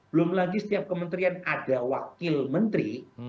belum lagi setiap kementerian ada wakil menteri